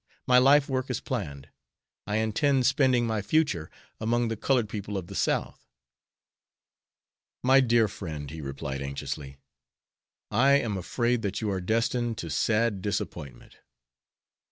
My life work is planned. I intend spending my future among the colored people of the South." "My dear friend," he replied, anxiously, "I am afraid that you are destined to sad disappointment.